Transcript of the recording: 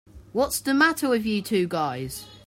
What's the matter with you two guys?